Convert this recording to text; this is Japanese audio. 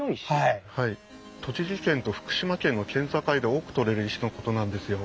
栃木県と福島県の県境で多く採れる石のことなんですよ。